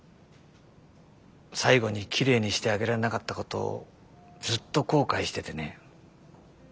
最後にきれいにしてあげられなかったことをずっと後悔しててね。